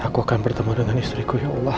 aku akan bertemu dengan istriku ya allah